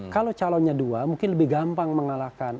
kalau calonnya dua mungkin lebih gampang mengalahkan